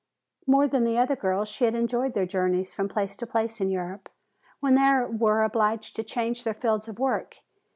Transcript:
More than the other girls she had enjoyed their journeys from place to place in Europe, when they were obliged to change their fields of work.